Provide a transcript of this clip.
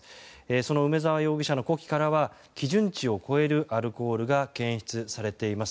その梅沢容疑者の呼気からは基準値を超えるアルコールが検出されています。